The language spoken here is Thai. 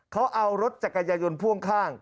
เขาเอารถจักรยายนพ่วงข้าง